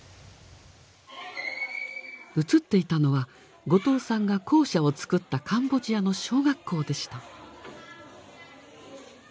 写っていたのは後藤さんが校舎をつくったカンボジアの小学校でした。